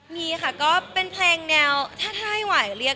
มีค่ะก็เป็นเพลงแนวถ้าให้ไหวเรียก